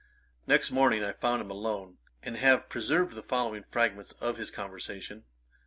] Next morning I found him alone, and have preserved the following fragments of his conversation.